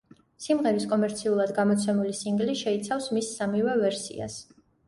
სიმღერის კომერციულად გამოცემული სინგლი შეიცავს მის სამივე ვერსიას.